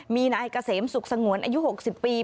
มีนายเกษมสุขสงวนอายุ๖๐ปี